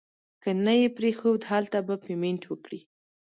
که نه یې پرېښود هلته به پیمنټ وکړي.